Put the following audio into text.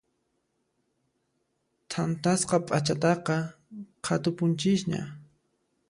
Thantasqa p'achataqa qhatupunchisña.